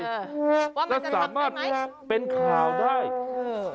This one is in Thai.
ว่ามันจะทำได้ไหมและสามารถเป็นข่าวได้